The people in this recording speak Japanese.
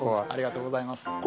ありがとうございます